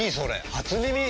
初耳！